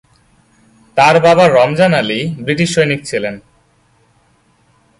তার বাবা রমজান আলী ব্রিটিশ সৈনিক ছিলেন।